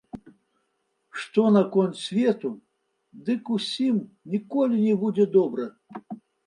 Што наконт свету, дык усім ніколі не будзе добра.